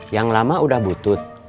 yang lama udah butut